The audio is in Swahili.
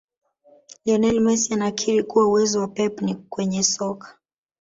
Lionel Messi anakiri kuwa uwezo wa pep ni kwenye soka